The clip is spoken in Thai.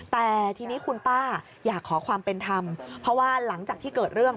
แต่ทีนี้คุณป้าอยากขอความเป็นธรรมเพราะว่าหลังจากที่เกิดเรื่อง